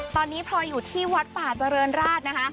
ตอนนี้พลอยอยู่ที่วัดป่าเจริญราชนะคะ